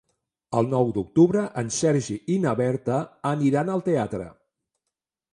El nou d'octubre en Sergi i na Berta aniran al teatre.